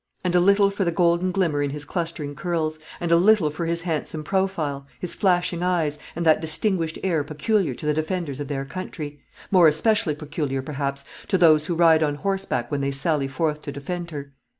And a little for the golden glimmer in his clustering curls; and a little for his handsome profile, his flashing eyes, and that distinguished air peculiar to the defenders of their country; more especially peculiar, perhaps, to those who ride on horseback when they sally forth to defend her.